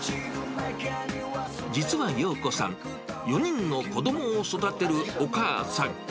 実はようこさん、４人の子どもを育てるお母さん。